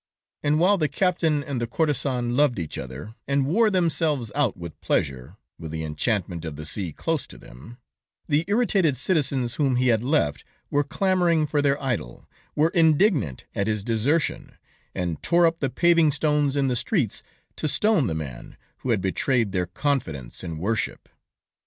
And while the captain and the courtesan loved each other and wore themselves out with pleasure with the enchantment of the sea close to them the irritated citizens, whom he had left were clamoring for their idol, were indignant at his desertion, and tore up the paving stones in the streets, to stone the man who had betrayed their confidence and worship.